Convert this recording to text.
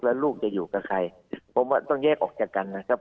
แล้วลูกจะอยู่กับใครผมว่าต้องแยกออกจากกันนะครับ